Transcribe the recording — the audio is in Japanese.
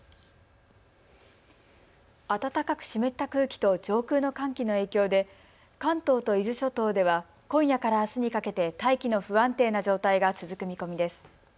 暖かく湿った空気と上空の寒気の影響で関東と伊豆諸島では今夜からあすにかけて大気の不安定な状態が続く見込みです。